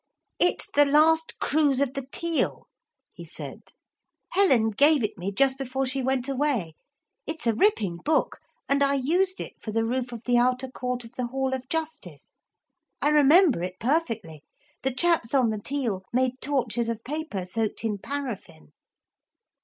'It's The Last Cruise of the Teal,' he said. 'Helen gave it me just before she went away. It's a ripping book, and I used it for the roof of the outer court of the Hall of Justice. I remember it perfectly. The chaps on the Teal made torches of paper soaked in paraffin.'